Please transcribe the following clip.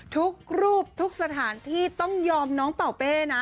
ทุกรูปทุกสถานที่ต้องยอมน้องเป่าเป้นะ